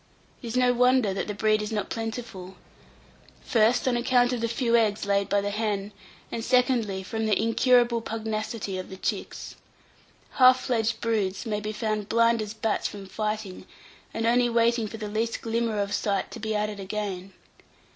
It is no wonder that the breed is not plentiful first, on account of the few eggs laid by the hen; and, secondly, from the incurable pugnacity of the chicks. Half fledged broods may be found blind as bats from fighting, and only waiting for the least glimmer of sight to be at it again.